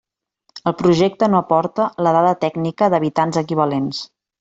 El projecte no aporta la dada tècnica d'habitants-equivalents.